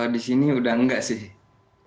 disini udah nggak sih